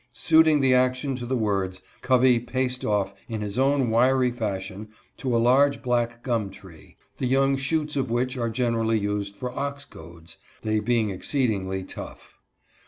Suiting the action to the words, Covey paced off, in his own wiry fashion, to a large black gum tree, the young shoots of which are generally used for ox goads, they being exceedingly tough.